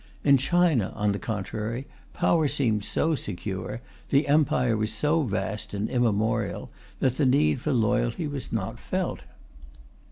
In China, on the contrary, power seemed so secure, the Empire was so vast and immemorial, that the need for loyalty was not felt.